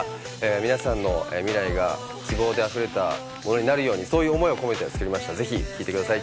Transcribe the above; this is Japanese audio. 皆さんの未来が希望で溢れたものになるように、そういう思いを込めて作りました、ぜひ聴いてください。